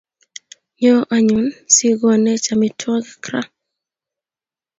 Nyo anyun sikonech amitwogik ra